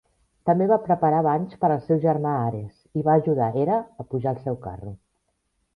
També va preparar banys per al seu germà Ares i va ajudar Hera a pujar al seu carro.